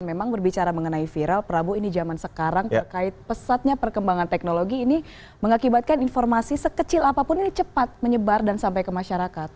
memang berbicara mengenai viral prabu ini zaman sekarang terkait pesatnya perkembangan teknologi ini mengakibatkan informasi sekecil apapun ini cepat menyebar dan sampai ke masyarakat